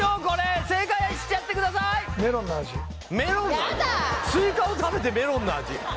これ正解しちゃってくださいメロンの味？